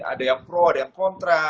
ada yang pro ada yang kontra